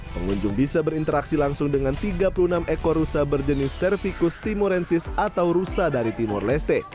pengunjung bisa berinteraksi langsung dengan tiga puluh enam ekor rusa berjenis servicus timorensis atau rusa dari timur leste